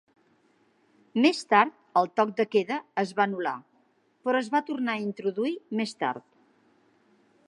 Més tard el toc de queda es va anul·lar, però es va tornar a introduir més tard.